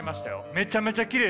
めちゃめちゃきれい。